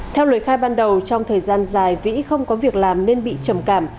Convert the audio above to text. theo lời khai ban đầu trong thời gian dài vĩ không có việc làm nên bị trầm cảm